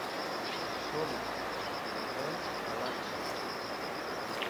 Som-hi, mediquem a l'Axl.